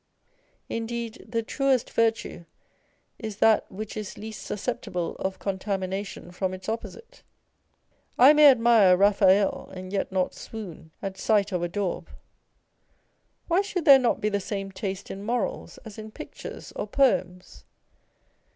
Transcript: Indeed the truest virtue is that which is least susceptible of contamination from its opposite. I may admire a Raphael, and yet not swoon at sight of a daub. Why should there not be the same taste in morals as in pictures or poems